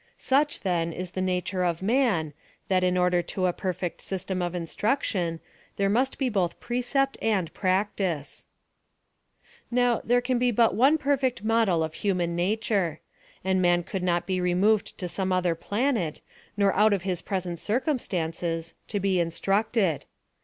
Such, then, is the nature of man, that in order to a perfect system of instniction, there irust he both precept and practice. PLAN OF SALVATION. 125 Now, there can be but one perfect model of human nature. And man could not be removed to some other planet, nor out of his present circumstances, to be instructed.